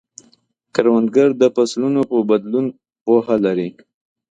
کروندګر د فصلونو په بدلون پوهه لري